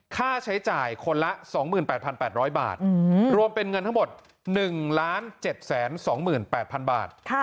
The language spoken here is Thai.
ค่าใช้จ่ายคนละ๒๘๘๐๐บาทรวมเป็นเงินทั้งหมด๑๗๒๘๐๐๐บาท